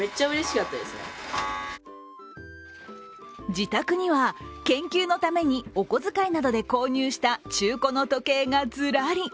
自宅には、研究のためにお小遣いなどで購入した中古の時計がずらり。